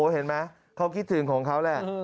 เห็นไหมเขาคิดถึงของเขาแหละ